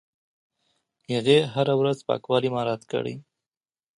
هغې هره ورځ پاکوالی مراعت کړی.